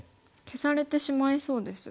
消されてしまいそうです。